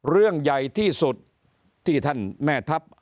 เรื่องใหญ่ที่สุดที่ท่านแม่ทัพ